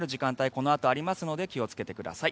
このあとありますので気をつけてください。